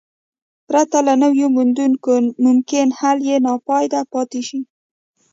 پرته له نویو موندنو ممکن حل یې ناپایده پاتې شي.